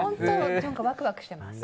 ワクワクしてます。